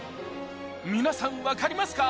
皆さん分かりますか？